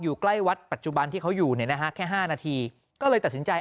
ใกล้วัดปัจจุบันที่เขาอยู่เนี่ยนะฮะแค่๕นาทีก็เลยตัดสินใจ